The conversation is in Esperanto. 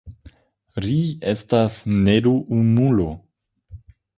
Ri estas neduumulo.